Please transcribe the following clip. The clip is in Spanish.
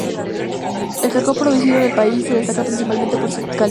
El cacao producido en el país se destaca principalmente por su calidad.